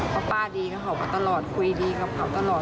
เพราะป้าดีกับเขามาตลอดคุยดีกับเขาตลอด